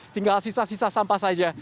tinggal sisa sisa sampah saja